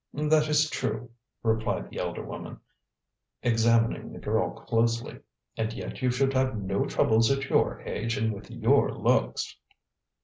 "That is true," replied the elder woman, examining the girl closely; "and yet you should have no troubles at your age and with your looks."